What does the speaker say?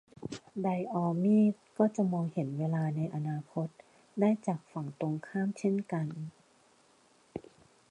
ไดออมีด ก็จะมองเห็นเวลาในอนาคตได้จากฝั่งตรงข้ามเช่นกัน